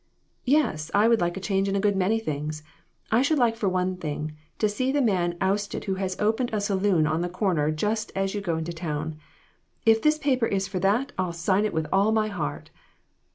"Yes, I would like a change in a good many things. I should like for one thing, to see the man ousted who has opened a saloon on the corner just as you go into town. If this paper's for that I'll sign it with all my heart."